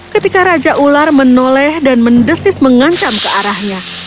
ketika raja ular menoleh dan mendesis mengancam ke arahnya